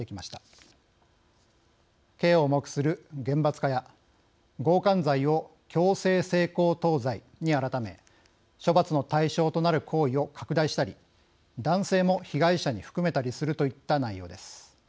刑を重くする厳罰化や強姦罪を強制性交等罪に改め処罰の対象となる行為を拡大したり男性も被害者に含めたりするといった内容です。